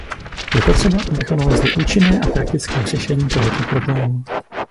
Je třeba, abychom nalezli účinné a praktické řešení tohoto problému.